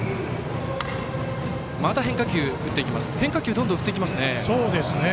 変化球どんどん振ってきますね。